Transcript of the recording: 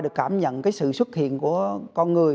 được cảm nhận cái sự xuất hiện của con người